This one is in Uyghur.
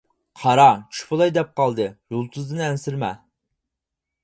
قارا، چۈش بولاي دەپ قالدى، يۇلتۇزدىن ئەنسىرىمە.